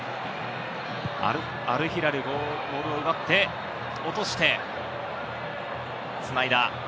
アルヒラル、ボールを奪って、落としてつないだ。